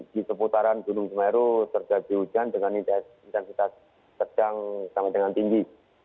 di seputaran gunung semeru terjadi hujan dengan intensitas sedang sampai dengan tinggi